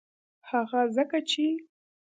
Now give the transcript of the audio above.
هغه ځکه چې